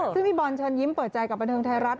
ซึ่งพี่บอลเชิญยิ้มเปิดใจกับบันเทิงไทยรัฐ